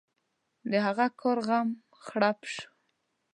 د هغه کار غم غړپ شو.